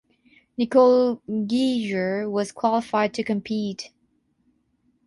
Nicole Geiger has qualified to compete.